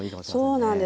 そうなんです。